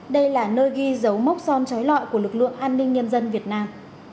đây là nơi ghi dấu mốc son trói lọi của lực lượng an ninh nhân dân việt nam